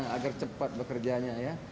agar cepat bekerjanya ya